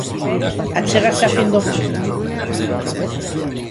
Achégase a fin do mundo?